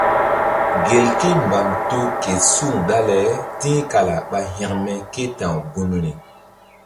Gelke mbam to ke suŋ dale ti̧h kala ɓa hȩkme ké ta̧w gunri.